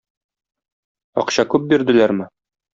Акча күп бирделәрме?